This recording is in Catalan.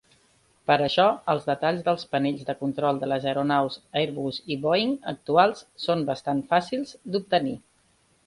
Per això, els detalls dels panells de control de les aeronaus Airbus i Boeing actuals són bastant fàcils d'obtenir.